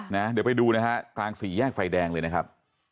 เดี๋ยวไปดูนะฮะกลางสี่แยกไฟแดงเลยนะครับ